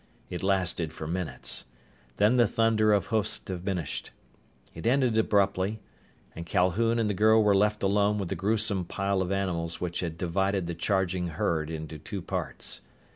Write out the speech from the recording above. It lasted for minutes. Then the thunder of hoofs diminished. It ended abruptly, and Calhoun and the girl were left alone with the gruesome pile of animals which had divided the charging herd into two parts.